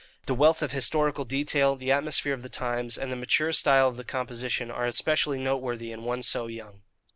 The wealth of historical detail, the atmosphere of the times, and the mature style of the composition are especially noteworthy in one so young.